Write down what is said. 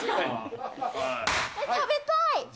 食べたい！